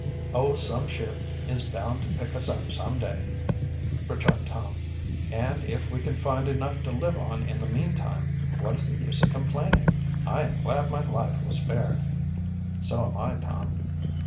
"Oh, some ship is bound to pick us up some day," returned Tom. "And if we can find enough to live on in the meantime, what is the use of complaining? I am glad my life was spared." "So am I, Tom."